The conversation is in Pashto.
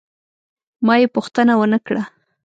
ما یې پوښتنه ونه کړه.